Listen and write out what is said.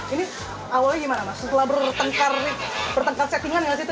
ini awalnya gimana mas setelah bertengkar settingan yang ada di instagram itu